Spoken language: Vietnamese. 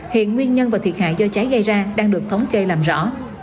hiện nguyên nhân và thiệt hại do cháy gây ra đang được thống kê làm rõ